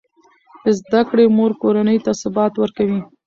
د زده کړې مور کورنۍ ته ثبات ورکوي.